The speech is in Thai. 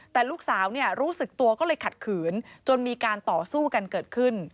แต่ลูกสาวรู้สึกตัวก็เลยขัดขืนจนมีการต่อสู้กันเกิดขึ้น